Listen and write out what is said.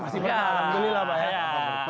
masih berkah alhamdulillah pak ya